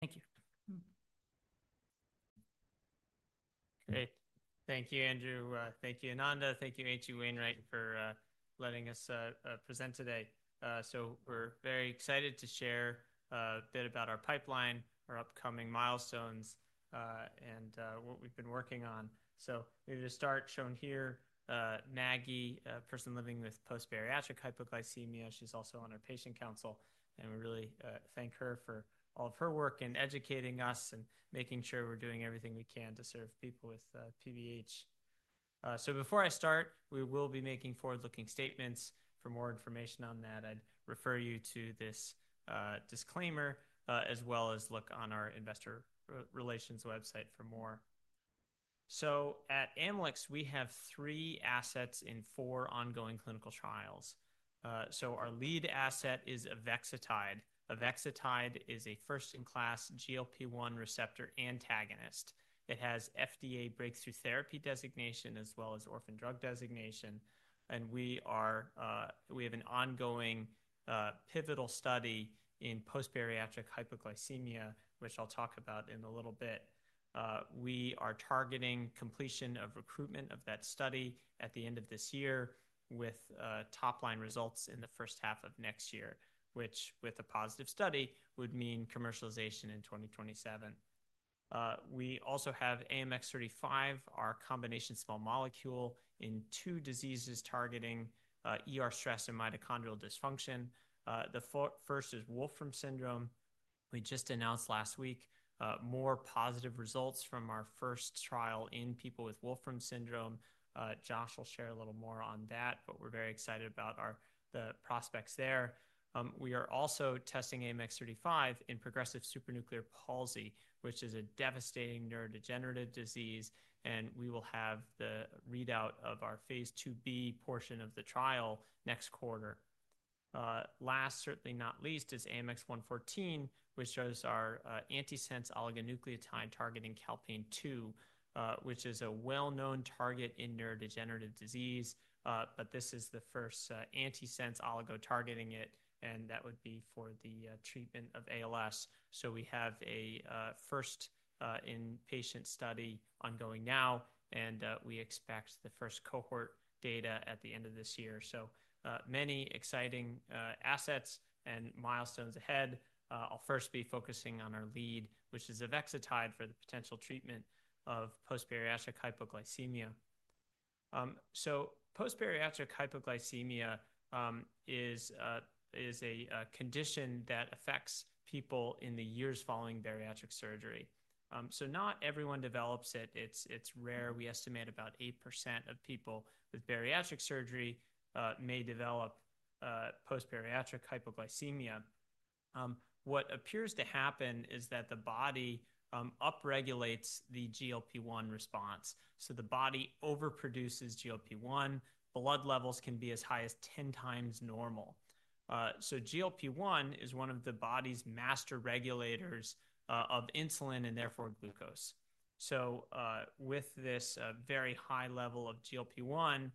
Thank you. Great. Thank you, Andrew. Thank you, Ananda. Thank you, H.C. Wainwright, for letting us present today. We are very excited to share a bit about our pipeline, our upcoming milestones, and what we have been working on. Maybe to start, shown here, Maggie, a person living with post-bariatric hypoglycemia. She is also on our patient council, and we really thank her for all of her work in educating us and making sure we are doing everything we can to serve people with PBH. Before I start, we will be making forward-looking statements. For more information on that, I would refer you to this disclaimer, as well as look on our investor relations website for more. At AMYLYX, we have three assets in four ongoing clinical trials. Our lead asset is avexitide. Avexitide is a first-in-class GLP-1 receptor antagonist. It has FDA breakthrough therapy designation, as well as orphan drug designation. We have an ongoing pivotal study in post-bariatric hypoglycemia, which I'll talk about in a little bit. We are targeting completion of recruitment of that study at the end of this year with top-line results in the first half of next year, which, with a positive study, would mean commercialization in 2027. We also have AMX0035, our combination small molecule in two diseases targeting stress and mitochondrial dysfunction. The first is Wolfram syndrome. We just announced last week more positive results from our first trial in people with Wolfram syndrome. Josh will share a little more on that, but we're very excited about the prospects there. We are also testing AMX0035 in progressive supranuclear palsy, which is a devastating neurodegenerative disease, and we will have the readout of our phase II-B portion of the trial next quarter. Last, certainly not least, is AMX0114, which shows our antisense oligonucleotide targeting calpain 2, which is a well-known target in neurodegenerative disease, but this is the first antisense oligo targeting it, and that would be for the treatment of ALS. We have a first-in-patient study ongoing now, and we expect the first cohort data at the end of this year. So many exciting assets and milestones ahead. I'll first be focusing on our lead, which is Avexitide for the potential treatment of post-bariatric hypoglycemia. Post-bariatric hypoglycemia is a condition that affects people in the years following bariatric surgery. Not everyone develops it. It's rare. We estimate about 8% of people with bariatric surgery may develop post-bariatric hypoglycemia. What appears to happen is that the body upregulates the GLP-1 response. The body overproduces GLP-1. Blood levels can be as high as 10x normal. GLP-1 is one of the body's master regulators of insulin and therefore glucose. With this very high level of GLP-1,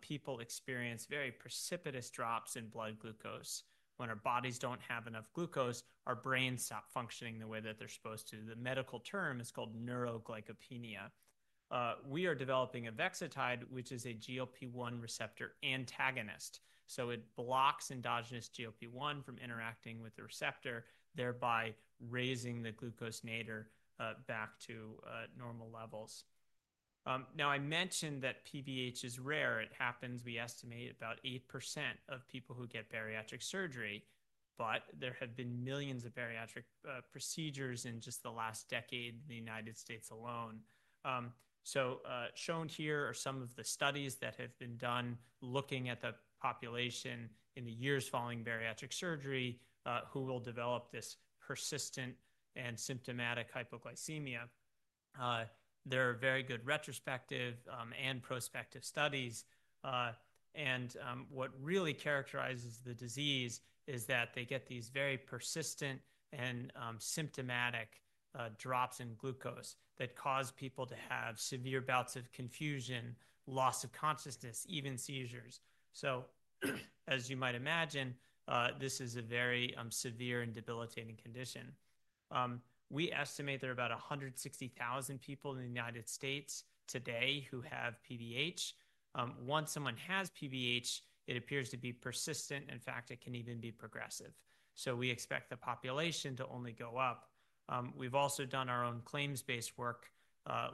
people experience very precipitous drops in blood glucose. When our bodies do not have enough glucose, our brains stop functioning the way that they are supposed to. The medical term is called neuroglycopenia. We are developing avexitide, which is a GLP-1 receptor antagonist. It blocks endogenous GLP-1 from interacting with the receptor, thereby raising the glucose nadir back to normal levels. I mentioned that PBH is rare. It happens, we estimate, in about 8% of people who get bariatric surgery, but there have been millions of bariatric procedures in just the last decade in the United States alone. Shown here are some of the studies that have been done looking at the population in the years following bariatric surgery who will develop this persistent and symptomatic hypoglycemia. There are very good retrospective and prospective studies. What really characterizes the disease is that they get these very persistent and symptomatic drops in glucose that cause people to have severe bouts of confusion, loss of consciousness, even seizures. As you might imagine, this is a very severe and debilitating condition. We estimate there are about 160,000 people in the United States today who have PBH. Once someone has PBH, it appears to be persistent. In fact, it can even be progressive. We expect the population to only go up. We've also done our own claims-based work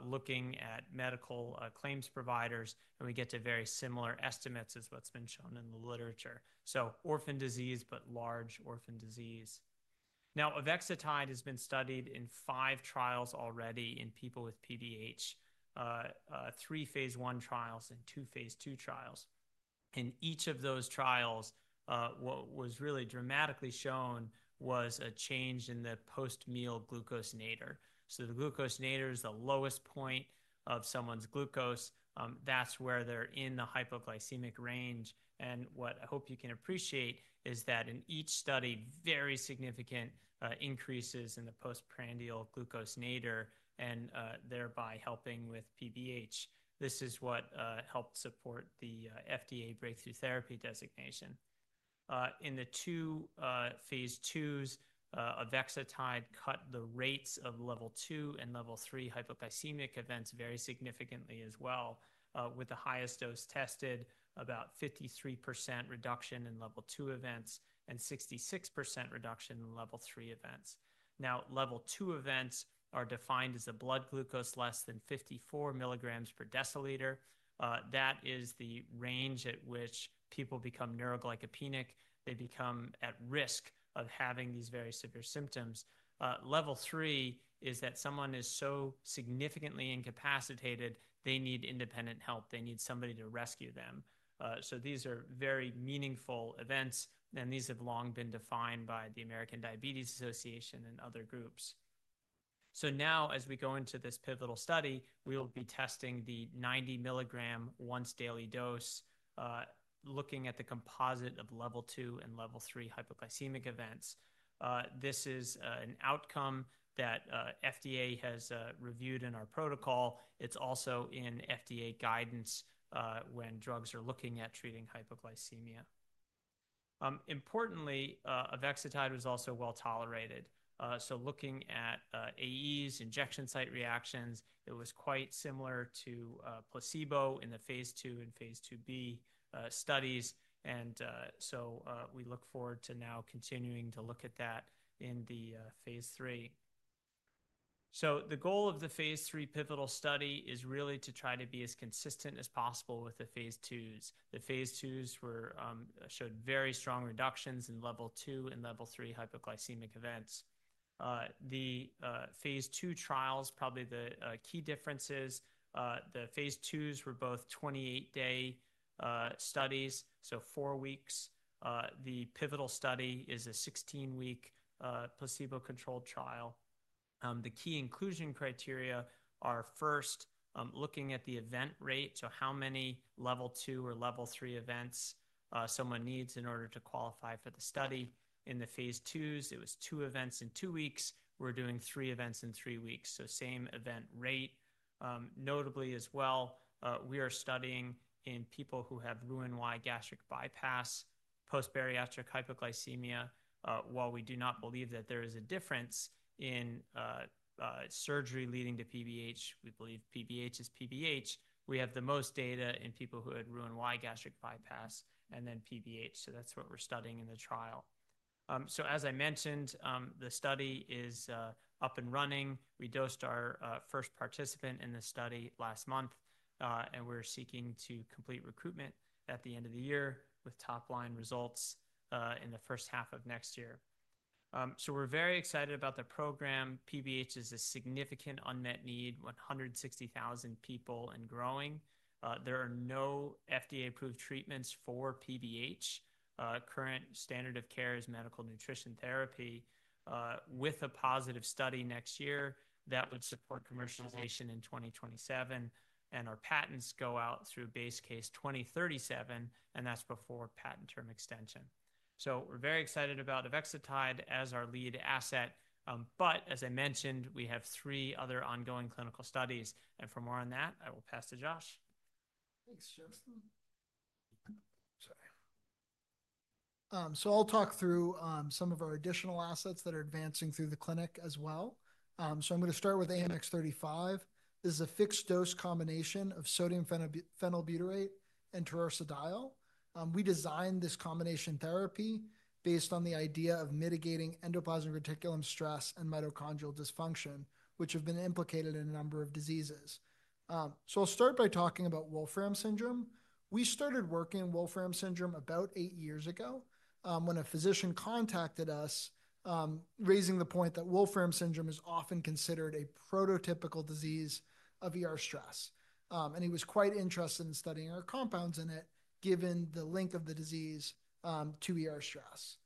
looking at medical claims providers, and we get to very similar estimates as what's been shown in the literature. Orphan disease, but large orphan disease. Now, avexitide has been studied in five trials already in people with PBH, three phase I trials and two phase II trials. In each of those trials, what was really dramatically shown was a change in the post-meal glucose nadir. The glucose nadir is the lowest point of someone's glucose. That is where they're in the hypoglycemic range. What I hope you can appreciate is that in each study, very significant increases in the post-prandial glucose nadir and thereby helping with PBH. This is what helped support the FDA breakthrough therapy designation. In the two phase IIs, avexitide cut the rates of level two and level three hypoglycemic events very significantly as well, with the highest dose tested about 53% reduction in level two events and 66% reduction in level three events. Now, level two events are defined as a blood glucose less than 54 mg per dL. That is the range at which people become neuroglycopenic. They become at risk of having these very severe symptoms. Level three is that someone is so significantly incapacitated, they need independent help. They need somebody to rescue them. These are very meaningful events, and these have long been defined by the American Diabetes Association and other groups. Now, as we go into this pivotal study, we will be testing the 90 mg once-daily dose, looking at the composite of level two and level three hypoglycemic events. This is an outcome that FDA has reviewed in our protocol. It is also in FDA guidance when drugs are looking at treating hypoglycemia. Importantly, avexitide was also well tolerated. Looking at AEs, injection site reactions, it was quite similar to placebo in the phase II and phase II-B studies. We look forward to now continuing to look at that in the phase III. The goal of the phase III pivotal study is really to try to be as consistent as possible with the phase IIs. The phase IIs showed very strong reductions in level two and level three hypoglycemic events. The phase II trials, probably the key differences, the phase IIs were both 28-day studies, so four weeks. The pivotal study is a 16-week placebo-controlled trial. The key inclusion criteria are first looking at the event rate, so how many level two or level three events someone needs in order to qualify for the study. In the phase IIs, it was two events in two weeks. We are doing three events in three weeks, so same event rate. Notably as well, we are studying in people who have Roux-en-Y gastric bypass, post-bariatric hypoglycemia. While we do not believe that there is a difference in surgery leading to PBH, we believe PBH is PBH. We have the most data in people who had Roux-en-Y gastric bypass and then PBH. That is what we're studying in the trial. As I mentioned, the study is up and running. We dosed our first participant in the study last month, and we're seeking to complete recruitment at the end of the year with top-line results in the first half of next year. We are very excited about the program. PBH is a significant unmet need, 160,000 people and growing. There are no FDA-approved treatments for PBH. Current standard of care is medical nutrition therapy. With a positive study next year that would support commercialization in 2027, and our patents go out through base case 2037, and that is before patent term extension. We are very excited about avexitide as our lead asset. As I mentioned, we have three other ongoing clinical studies. For more on that, I will pass to Josh. Thanks, Justin. Sorry. I'll talk through some of our additional assets that are advancing through the clinic as well. I'm going to start with AMX0035. This is a fixed-dose combination of sodium phenylbutyrate and taurursodiol. We designed this combination therapy based on the idea of mitigating endoplasmic reticulum stress and mitochondrial dysfunction, which have been implicated in a number of diseases. I'll start by talking about Wolfram syndrome. We started working on Wolfram syndrome about eight years ago when a physician contacted us, raising the point that Wolfram syndrome is often considered a prototypical disease of stress. He was quite interested in studying our compounds in it, given the link of the disease to stress.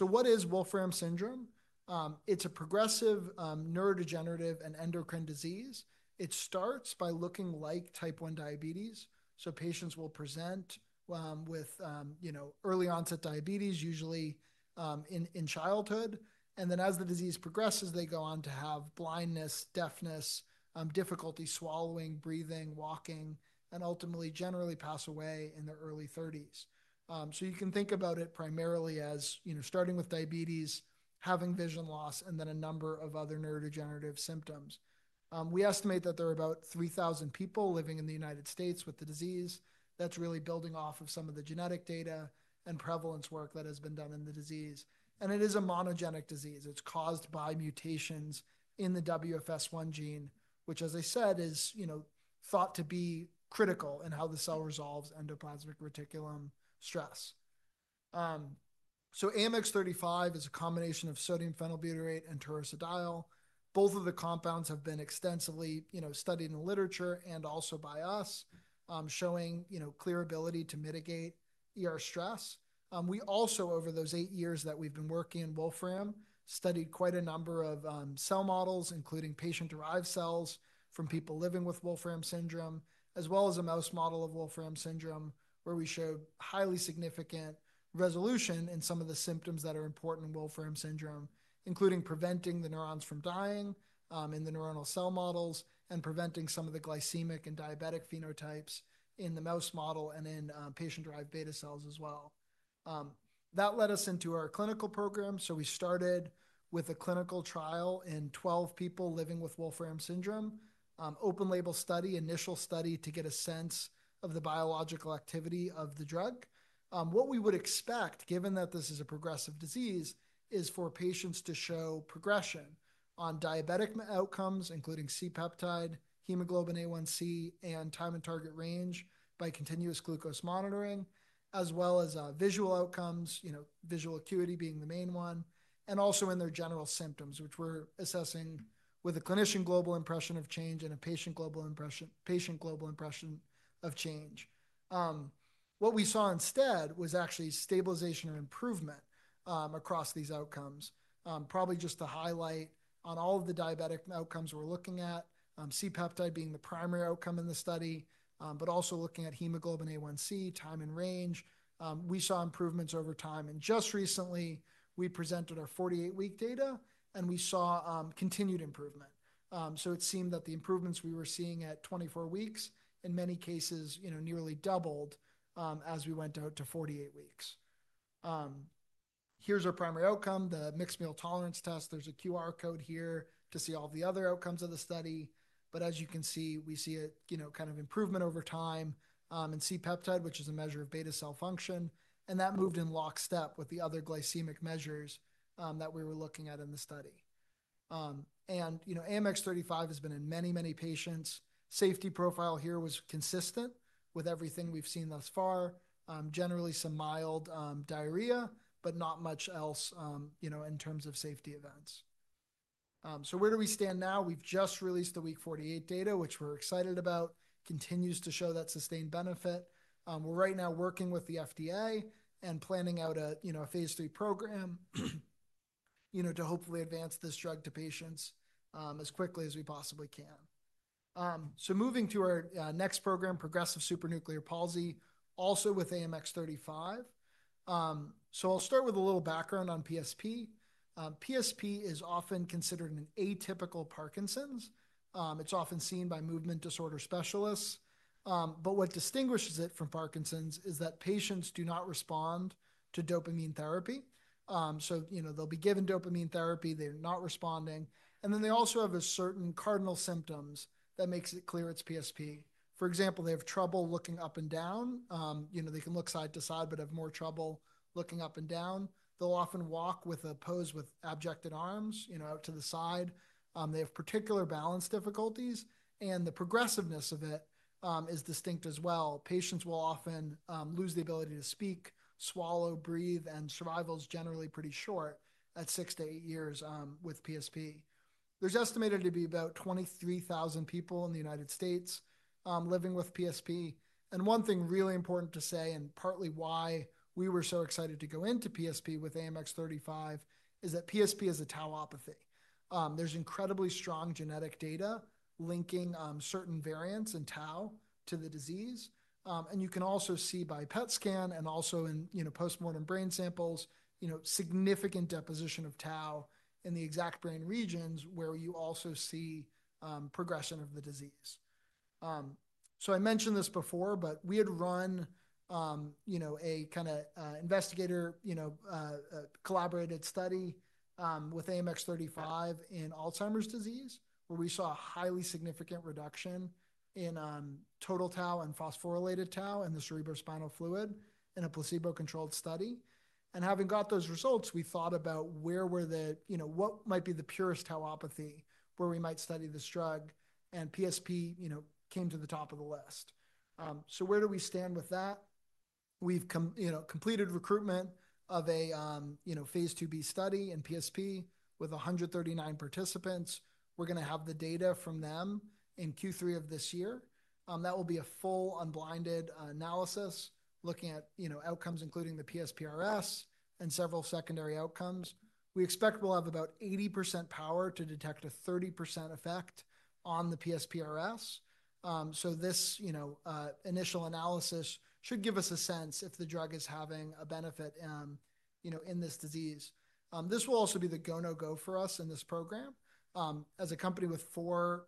What is Wolfram syndrome? It's a progressive neurodegenerative and endocrine disease. It starts by looking like type 1 diabetes. Patients will present with early onset diabetes, usually in childhood. As the disease progresses, they go on to have blindness, deafness, difficulty swallowing, breathing, walking, and ultimately generally pass away in their early 30s. You can think about it primarily as starting with diabetes, having vision loss, and then a number of other neurodegenerative symptoms. We estimate that there are about 3,000 people living in the United States with the disease. That is really building off of some of the genetic data and prevalence work that has been done in the disease. It is a monogenic disease. It is caused by mutations in the WFS1 gene, which, as I said, is thought to be critical in how the cell resolves endoplasmic reticulum stress. AMX0035 is a combination of sodium phenylbutyrate and taurursodiol. Both of the compounds have been extensively studied in the literature and also by us, showing clear ability to mitigate stress. We also, over those eight years that we've been working in Wolfram, studied quite a number of cell models, including patient-derived cells from people living with Wolfram syndrome, as well as a mouse model of Wolfram syndrome, where we showed highly significant resolution in some of the symptoms that are important in Wolfram syndrome, including preventing the neurons from dying in the neuronal cell models and preventing some of the glycemic and diabetic phenotypes in the mouse model and in patient-derived beta cells as well. That led us into our clinical program. We started with a clinical trial in 12 people living with Wolfram syndrome, open-label study, initial study to get a sense of the biological activity of the drug. What we would expect, given that this is a progressive disease, is for patients to show progression on diabetic outcomes, including C-peptide, hemoglobin A1c, and time in target range by continuous glucose monitoring, as well as visual outcomes, visual acuity being the main one, and also in their general symptoms, which we're assessing with a clinician global impression of change and a patient global impression of change. What we saw instead was actually stabilization or improvement across these outcomes. Probably just to highlight on all of the diabetic outcomes we're looking at, C-peptide being the primary outcome in the study, but also looking at hemoglobin A1c, time in range, we saw improvements over time. Just recently, we presented our 48-week data, and we saw continued improvement. It seemed that the improvements we were seeing at 24 weeks, in many cases, nearly doubled as we went out to 48 weeks. Here is our primary outcome, the mixed meal tolerance test. There is a QR code here to see all the other outcomes of the study. As you can see, we see kind of improvement over time in C-peptide, which is a measure of beta cell function. That moved in lockstep with the other glycemic measures that we were looking at in the study. AMX0035 has been in many, many patients. Safety profile here was consistent with everything we have seen thus far, generally some mild diarrhea, but not much else in terms of safety events. Where do we stand now? We have just released the week 48 data, which we are excited about, continues to show that sustained benefit. We're right now working with the FDA and planning out a phase III program to hopefully advance this drug to patients as quickly as we possibly can. Moving to our next program, progressive supranuclear palsy, also with AMX0035. I'll start with a little background on PSP. PSP is often considered an atypical Parkinson's. It's often seen by movement disorder specialists. What distinguishes it from Parkinson's is that patients do not respond to dopamine therapy. They'll be given dopamine therapy, they're not responding, and then they also have certain cardinal symptoms that make it clear it's PSP. For example, they have trouble looking up and down. They can look side to side, but have more trouble looking up and down. They'll often walk with a pose with abducted arms out to the side. They have particular balance difficulties. The progressiveness of it is distinct as well. Patients will often lose the ability to speak, swallow, breathe, and survival is generally pretty short at six to eight years with PSP. There is estimated to be about 23,000 people in the United States living with PSP. One thing really important to say, and partly why we were so excited to go into PSP with AMX0035, is that PSP is a tauopathy. There is incredibly strong genetic data linking certain variants in tau to the disease. You can also see by PET scan and also in postmortem brain samples, significant deposition of tau in the exact brain regions where you also see progression of the disease. I mentioned this before, but we had run a kind of investigator collaborated study with AMX0035 in Alzheimer's disease, where we saw a highly significant reduction in total tau and phosphorylated tau in the cerebrospinal fluid in a placebo-controlled study. Having got those results, we thought about where were the what might be the purest tauopathy where we might study this drug. PSP came to the top of the list. Where do we stand with that? We have completed recruitment of a phase II-B study in PSP with 139 participants. We are going to have the data from them in Q3 of this year. That will be a full unblinded analysis looking at outcomes, including the PSPRS and several secondary outcomes. We expect we will have about 80% power to detect a 30% effect on the PSPRS. This initial analysis should give us a sense if the drug is having a benefit in this disease. This will also be the go/no-go for us in this program. As a company with four,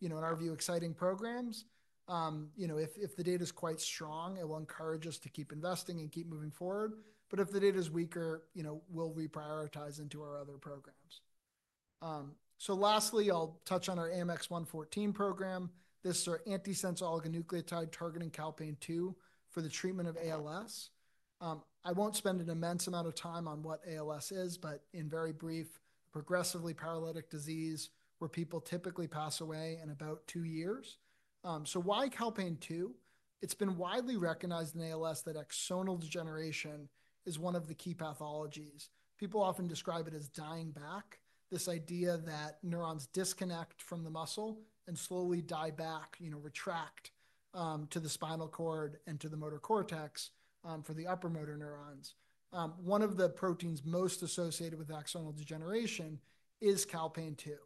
in our view, exciting programs, if the data is quite strong, it will encourage us to keep investing and keep moving forward. If the data is weaker, we'll reprioritize into our other programs. Lastly, I'll touch on our AMX0114 program. This is our antisense oligonucleotide targeting calpain 2 for the treatment of ALS. I won't spend an immense amount of time on what ALS is, but in very brief, a progressively paralytic disease where people typically pass away in about two years. Why calpain 2? It's been widely recognized in ALS that axonal degeneration is one of the key pathologies. People often describe it as dying back, this idea that neurons disconnect from the muscle and slowly die back, retract to the spinal cord and to the motor cortex for the upper motor neurons. One of the proteins most associated with axonal degeneration is calpain 2.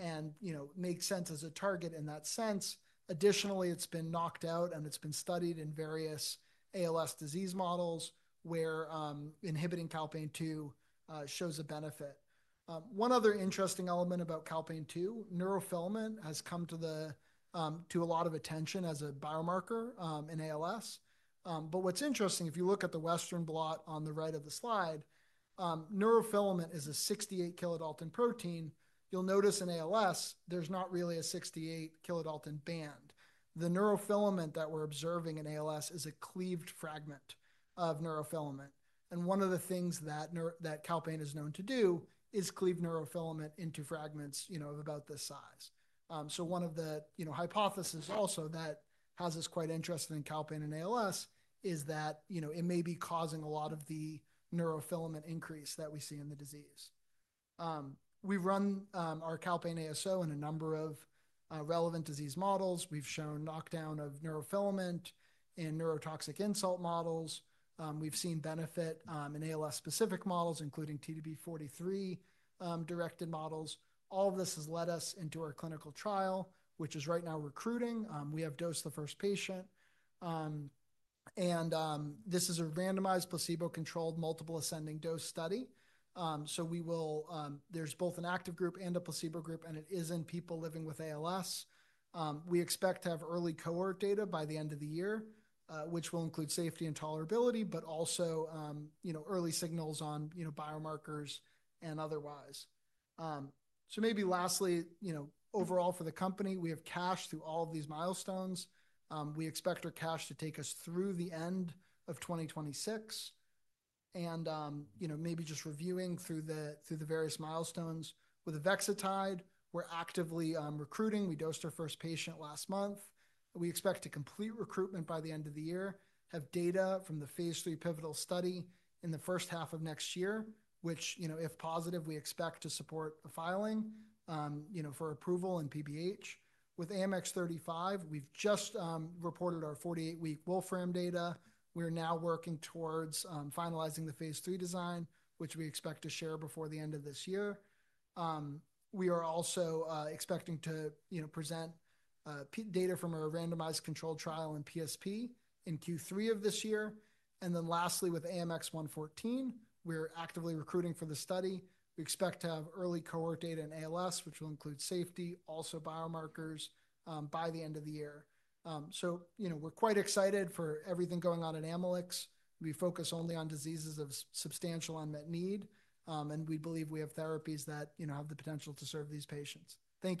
It makes sense as a target in that sense. Additionally, it's been knocked out and it's been studied in various ALS disease models where inhibiting calpain 2 shows a benefit. One other interesting element about calpain 2, neurofilament, has come to a lot of attention as a biomarker in ALS. What's interesting, if you look at the Western blot on the right of the slide, neurofilament is a 68 kilodalton protein. You'll notice in ALS, there's not really a 68 kilodalton band. The neurofilament that we're observing in ALS is a cleaved fragment of neurofilament. One of the things that calpain is known to do is cleave neurofilament into fragments of about this size. One of the hypotheses also that has us quite interested in calpain in ALS is that it may be causing a lot of the neurofilament increase that we see in the disease. We run our calpain ASO in a number of relevant disease models. We've shown knockdown of neurofilament in neurotoxic insult models. We've seen benefit in ALS-specific models, including TDP-43 directed models. All of this has led us into our clinical trial, which is right now recruiting. We have dosed the first patient. This is a randomized placebo-controlled multiple ascending dose study. There's both an active group and a placebo group, and it is in people living with ALS. We expect to have early cohort data by the end of the year, which will include safety and tolerability, but also early signals on biomarkers and otherwise. Maybe lastly, overall for the company, we have cash through all of these milestones. We expect our cash to take us through the end of 2026. Maybe just reviewing through the various milestones. With avexitide, we're actively recruiting. We dosed our first patient last month. We expect to complete recruitment by the end of the year, have data from the phase III pivotal study in the first half of next year, which, if positive, we expect to support the filing for approval in PBH. With AMX0035, we've just reported our 48-week Wolfram data. We're now working towards finalizing the phase III design, which we expect to share before the end of this year. We are also expecting to present data from our randomized controlled trial in PSP in Q3 of this year. Lastly, with AMX0114, we're actively recruiting for the study. We expect to have early cohort data in ALS, which will include safety, also biomarkers by the end of the year. We are quite excited for everything going on in AMYLYX. We focus only on diseases of substantial unmet need, and we believe we have therapies that have the potential to serve these patients. Thank you.